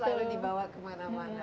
selalu dibawa kemana mana